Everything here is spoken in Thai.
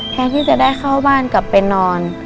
แทนที่จะได้เข้าบ้านกลับไปนอน